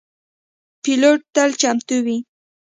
پیلوټ تل چمتو وي.